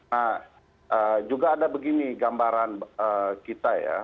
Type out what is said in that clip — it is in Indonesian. nah juga ada begini gambaran kita ya